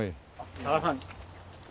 高田さん